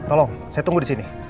tolong saya tunggu di sini